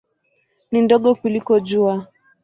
Ni ndogo kuliko Jua.